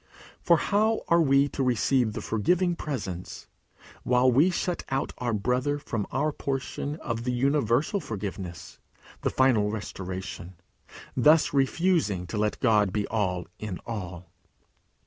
For how are we to receive the forgiving presence while we shut out our brother from our portion of the universal forgiveness, the final restoration, thus refusing to let God be All in all?